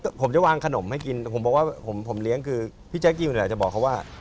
ผมจะวางขนมให้กินผมบอกว่าผมเลี้ยงคือพี่แจ๊คกิวเนี่ยอาจจะบอกเขาว่า